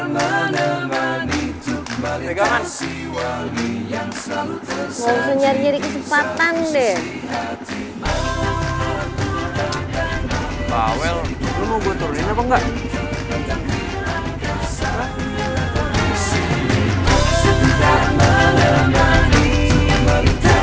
mawel lu mau gue turunin apa enggak